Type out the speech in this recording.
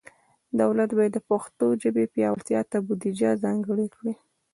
دولت باید د پښتو ژبې پیاوړتیا ته بودیجه ځانګړي کړي.